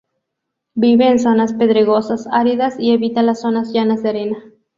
Vive en zonas pedregosas áridas, y evita las zonas llanas de arena.